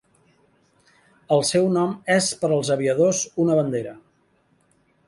El seu nom és per als aviadors una bandera.